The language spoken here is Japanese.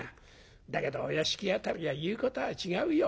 だけどお屋敷辺りは言うことは違うよ。